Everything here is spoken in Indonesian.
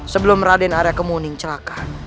sebelum raden area kemuning celaka